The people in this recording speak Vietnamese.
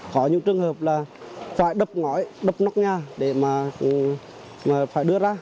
có những trường hợp là phải đập ngói đập nóc nhà để mà phải đưa ra